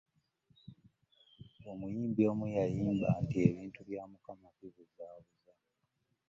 Omuyimbi omu yayimba nti ebintu bya Mukama bibuzaabuza.